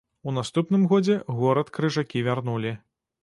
У наступным годзе горад крыжакі вярнулі.